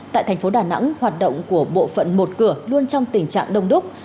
tại thành phố đà nẵng hoạt động của bộ phận một cửa luôn trong tình trạng đông đúc